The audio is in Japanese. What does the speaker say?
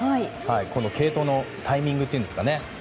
この継投のタイミングというんですかね。